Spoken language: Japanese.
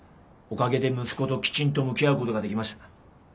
おかげで息子ときちんと向き合うことができました。